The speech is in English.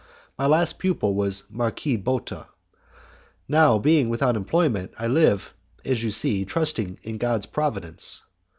My last pupil was the Marquis Botta. Now being without employment I live, as you see, trusting in God's providence.